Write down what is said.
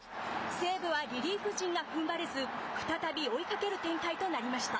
西武はリリーフ陣がふんばれず、再び追いかける展開となりました。